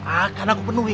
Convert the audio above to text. akan aku penuhi